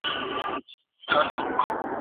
چاپېريال پېژندنه تر کتاب لوستلو هم سخته ده.